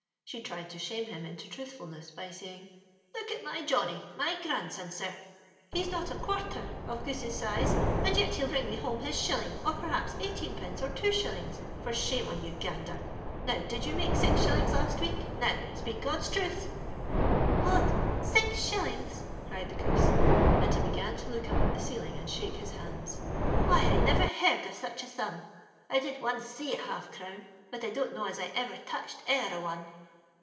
She tried to shame him into tinithfulness, by say ing,— " Look at my Johnny — my grandson, sir, he's not a quarther the Goose's size, and yet he'll bring mo home his shilling, or perhaps eighteenpenco or two shillings — for shame on you. Gander ! Now, did you make six shillings last week ?— ^now, speak God's truth 1" "What! six shillings?" cried the Goose— six shillings !" and he began to look up at the ceiling, and shake his hands. Why, I never heard of sich a sum. I did once see a half crown ; but I don't know as I ever touched e'er a one."